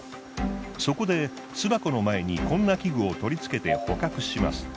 そこで巣箱の前にこんな器具を取りつけて捕獲します。